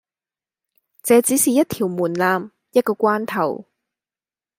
這只是一條門檻，一個關頭。